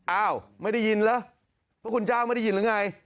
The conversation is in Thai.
อ้าวไม่ได้ยินเหรอพระคุณเจ้าไม่ได้ยินหรือไง